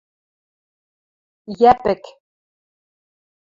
Йӓпӹк!